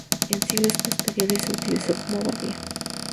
En siglos posteriores, se utilizó como abadía.